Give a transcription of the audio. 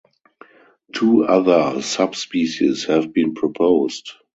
Two other subspecies have been proposed.